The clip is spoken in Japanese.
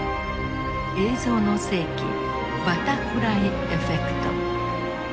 「映像の世紀バタフライエフェクト」。